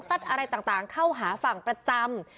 อะไรต่างเข้าหาฝั่งประจำ